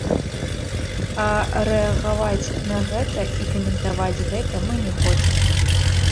А рэагаваць на гэта і каментаваць гэта мы не хочам.